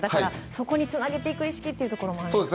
そこにつなげていく意識も必要ですね。